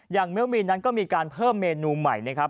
เมื่อมีนนั้นก็มีการเพิ่มเมนูใหม่นะครับ